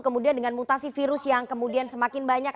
kemudian dengan mutasi virus yang kemudian semakin banyak